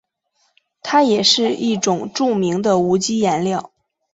它也是一种著名的无机颜料。